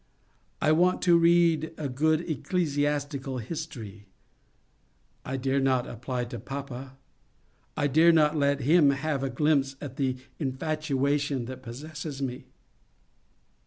I want to read a good ecclesiastical history. I dare not apply to papa. I dare not let him have a glimpse at the infatuation that possesses me.